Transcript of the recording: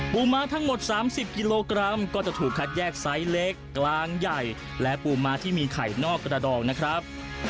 ม้าทั้งหมด๓๐กิโลกรัมก็จะถูกคัดแยกไซส์เล็กกลางใหญ่และปูม้าที่มีไข่นอกกระดองนะครับ